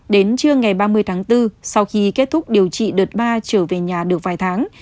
đến trưa ngày ba mươi tháng bốn sau khi kết thúc điều trị đợt ba trở về nhà được vài tháng